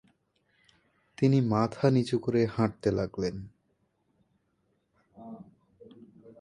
তিনি মাথা নিচু করে হাঁটতে লাগলেন।